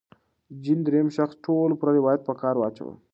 جین د درېیم شخص ټولپوه روایت په کار واچاوه.